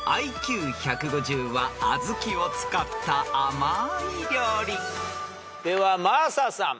［ＩＱ１５０は小豆を使った甘い料理］では真麻さん。